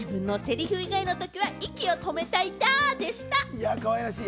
いや、かわいらしい。